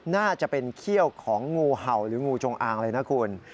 น่าจะเป็นเขี้ยวของงูเห่าหรืองูจงอางเลยนะคุณ